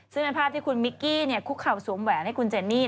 ซึ่งเป็นภาพที่คุณมิกกี้คุกเข่าสวมแหวนให้คุณเจนี่